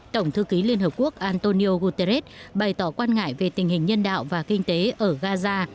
tổng thư ký liên hợp quốc antonio guterres bày tỏ quan ngại về tình hình nhân đạo và kinh tế ở gaza